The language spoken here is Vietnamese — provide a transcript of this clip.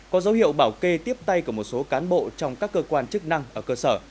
có dấu hiệu bảo kê tiếp tay của một số cán bộ trong các cơ quan chức năng ở cơ sở